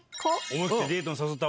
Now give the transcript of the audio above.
思い切ってデートに誘った。